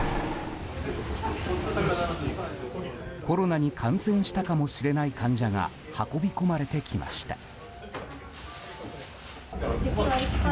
コロナに感染したかもしれない患者が運び込まれてきました。